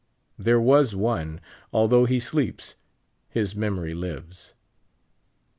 There was one ; although he sleeps, his memory lives.